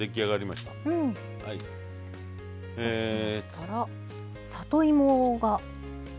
そしたら里芋が。